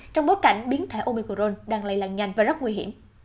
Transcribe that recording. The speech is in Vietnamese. trong bối cảnh biến thể omicron đang lây làn nhanh và rất nguy hiểm